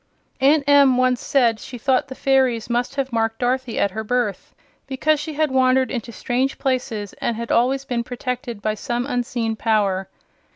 Aunt Em once said she thought the fairies must have marked Dorothy at her birth, because she had wandered into strange places and had always been protected by some unseen power.